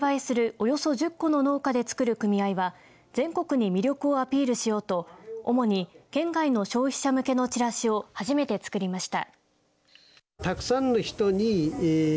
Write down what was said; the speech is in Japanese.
およそ１０戸の農家でつくる組合は全国に魅力をアピールしようと主に県外の消費者向けのチラシを初めて作りました。